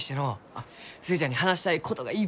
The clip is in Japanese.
あっ寿恵ちゃんに話したいことがいっぱい。